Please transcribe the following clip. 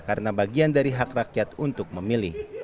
karena bagian dari hak rakyat untuk memilih